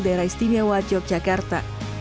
daerah istimewa yogyakarta